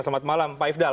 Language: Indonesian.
selamat malam pak ifdal